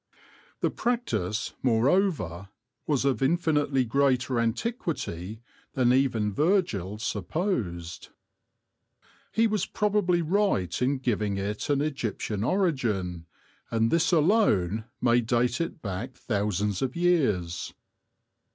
The practice, moreover, was of infinitely greater antiquity than even Virgil supposed. He was pro bably right in giving it an Egyptian origin, and this alone may date it back thousands of years.